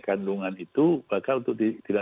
kandungan itu bakal untuk